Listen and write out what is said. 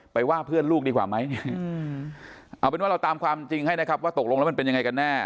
ว่าเพื่อนลูกดีกว่าไหมเอาเป็นว่าเราตามความจริงให้นะครับว่าตกลงแล้วมันเป็นยังไงกันแน่